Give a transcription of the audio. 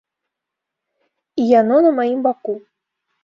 І яно на маім баку.